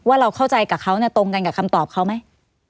เราเข้าใจกับเขาตรงกันกับคำตอบเขาไหม